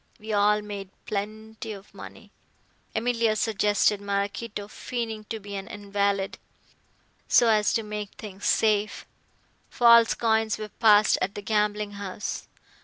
We all made plenty of money. Emilia suggested Maraquito feigning to be an invalid, so as to make things safe. False coins were passed at the gambling house.